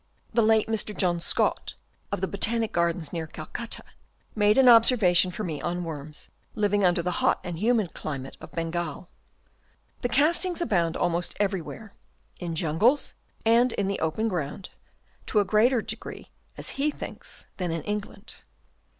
The late Mr. John Scott of the Botanic Gardens near Calcutta made many observa tions for me on worms living under the hot and humid climate of Bengal. The castings abound almost everywhere, in jungles and in the open ground, to a greater degree, as he thinks, than in England.